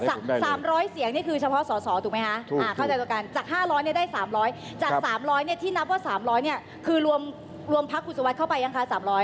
๓๐๐เสียงนี่คือเฉพาะอัศวรรษ